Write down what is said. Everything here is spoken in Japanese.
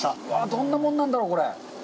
どんなもんなんだろう？